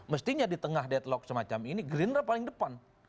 mestinya di tengah deadlock semacam ini gerindra paling depan